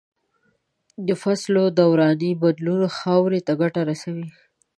د فصلو دوراني بدلون خاورې ته ګټه رسوي.